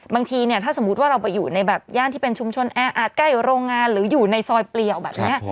บางทีเนี่ยถ้าสมมุติว่าเราไปอยู่ในแบบย่านที่เป็นชุมชนแออาจใกล้โรงงานหรืออยู่ในซอยเปลี่ยวแบบนี้